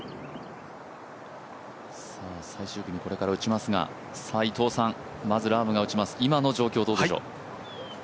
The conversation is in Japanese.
最終組、これから打ちますが伊藤さん、まずラームが打ちます、今の状況、どうでしょう。